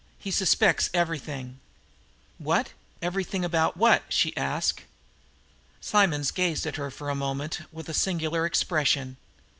He suspects everything!" "What? Everything about what?" she asked. Simonds gazed at her for a moment with a singular expression.